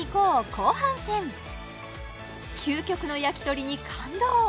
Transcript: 後半戦究極の焼き鳥に感動！